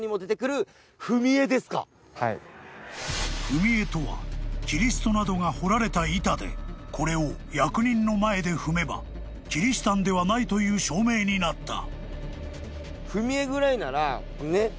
［踏み絵とはキリストなどが彫られた板でこれを役人の前で踏めばキリシタンではないという証明になった］